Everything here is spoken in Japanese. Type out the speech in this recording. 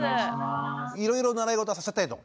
いろいろ習いごとはさせたいと。